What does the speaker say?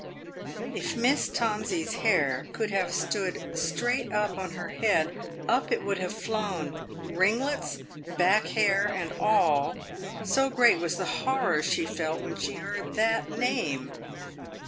If Miss Tomsey's hair could have stood straight up on her head, up it would have flown, ringlets, back hair and all, so great was the horror she felt when she heard that name.